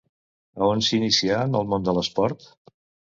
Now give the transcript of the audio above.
A on s'inicià en el món de l'esport?